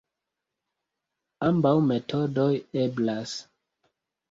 Ambaŭ metodoj eblas.